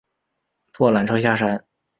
坐缆车下山